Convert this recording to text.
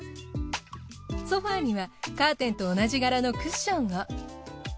ソファにはカーテンと同じ柄のクッションを。